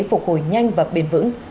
phục hồi nhanh và bền vững